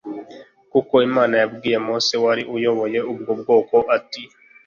Kuko Imana yabwiye Mose wari uyoboye ubwo bwoko ati